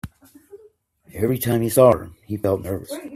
Every time he saw her, he felt nervous.